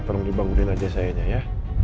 tolong dibangunin aja sayanya ya